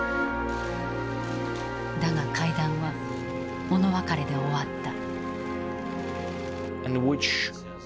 だが会談は物別れで終わった。